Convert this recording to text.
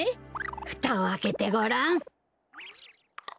ふたをあけてごらん。